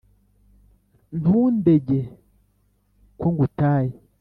Ntundege ko ngutaye